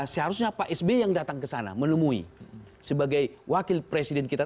seharusnya pak sby yang datang ke sana menemui sebagai wakil presiden kita